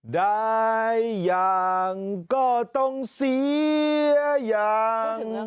ได้อย่างก็ต้องเสียอย่าง